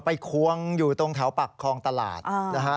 ควงอยู่ตรงแถวปากคลองตลาดนะฮะ